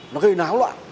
nó gây náo loạn